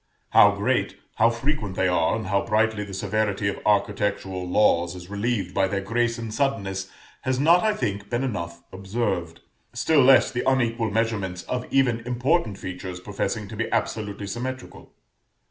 How great, how frequent they are, and how brightly the severity of architectural law is relieved by their grace and suddenness, has not, I think, been enough observed; still less, the unequal measurements of even important features professing to be absolutely symmetrical.